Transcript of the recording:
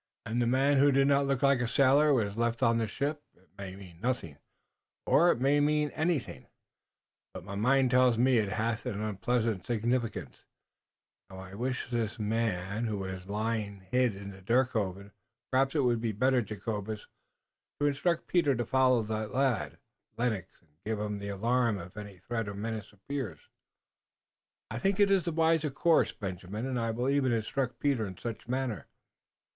"And the man who did not look like a sailor was left on the ship. It may mean nothing, or it may mean anything, but my mind tells me it hath an unpleasant significance. Now, I wish I knew this man who is lying hid in the Dirkhoeven. Perhaps it would be better, Jacobus, to instruct Peter to follow the lad, Lennox, and give the alarm if any threat or menace appears." "I think it is the wiser course, Benjamin, and I will even instruct Peter in such manner."